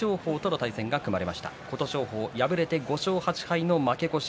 琴勝峰、敗れて５勝８敗の負け越し。